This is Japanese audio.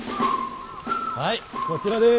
はいこちらです。